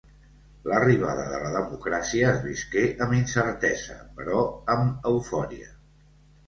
L'arribada de la democràcia es visqué amb incertesa però amb eufòria.